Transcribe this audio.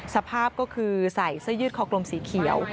สภาพก็คือใส่เสื้อยืดคอกลมสีเขียว